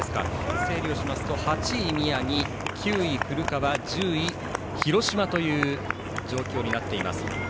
整理をしますと８位、宮城９位、古川１０位、広島という状況です。